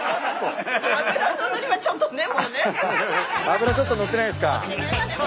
脂ちょっと乗ってないんすか。